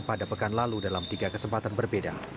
pada pekan lalu dalam tiga kesempatan berbeda